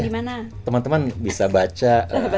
di mana teman teman bisa baca